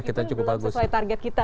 itu belum sesuai target kita